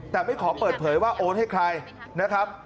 แต่ไม่ขอเปิดเผยว่าโอนให้ใครนะครับ